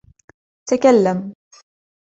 تكلم!